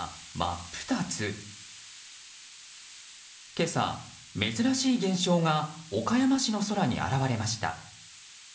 今朝、珍しい現象が岡山市の空に現れました。